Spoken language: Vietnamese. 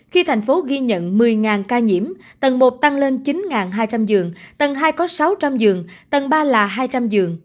khi thành phố ghi nhận một mươi ca nhiễm tầng một tăng lên chín hai trăm linh giường tầng hai có sáu trăm linh giường tầng ba là hai trăm linh giường